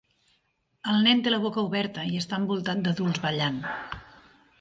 El nen té la boca oberta i està envoltat d'adults ballant.